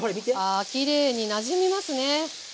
あきれいになじみますね。